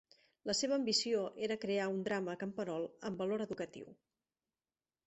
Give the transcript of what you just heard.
La seva ambició era crear un drama camperol amb valor educatiu.